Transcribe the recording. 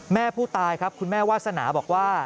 แม่ผู้ตายครับคุณแม่วาสนาบอกว่า